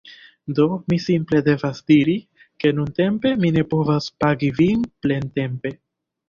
Do, mi simple devas diri, ke nuntempe ni ne povas pagi vin plentempe